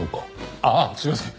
ああすいません！